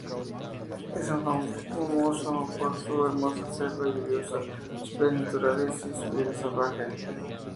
Es famoso por su hermosa selva lluviosa, sus playas naturales y su vida salvaje.